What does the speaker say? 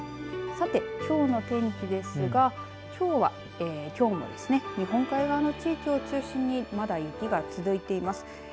さて、きょうの天気ですがきょうも日本海側を中心にまだ雪が続いています。